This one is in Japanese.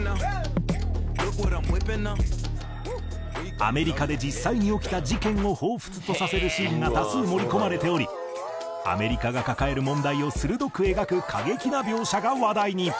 アメリカで実際に起きた事件を彷彿とさせるシーンが多数盛り込まれておりアメリカが抱える問題を鋭く描く過激な描写が話題に。